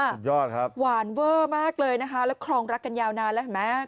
สุดยอดครับหวานเวอร์มากเลยนะคะแล้วครองรักกันยาวนานแล้วเห็นไหม